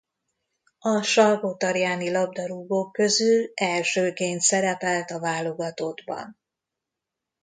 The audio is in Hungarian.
A salgótarjáni labdarúgók közül elsőként szerepelt a válogatottban.